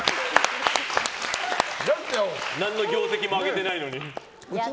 何の業績もあげてないのに。